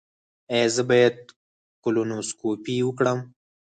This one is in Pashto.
ایا زه باید کولونوسکوپي وکړم؟